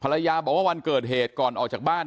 ภรรยาบอกว่าวันเกิดเหตุก่อนออกจากบ้าน